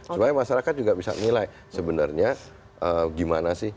supaya masyarakat juga bisa menilai sebenarnya gimana sih